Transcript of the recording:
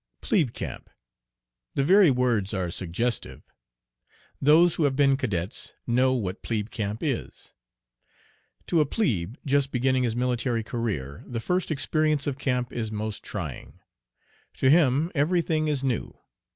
"PLEBE CAMP!" The very words are suggestive. Those who have been cadets know what "plebe camp" is. To a plebe just beginning his military career the first experience of camp is most trying. To him every thing is new.